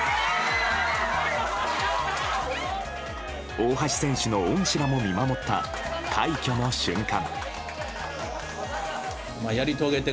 大橋選手の恩師らも見守った快挙の瞬間。